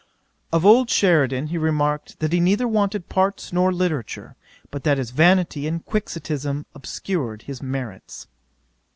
'Of old Sheridan he remarked, that he neither wanted parts nor literature; but that his vanity and Quixotism obscured his merits.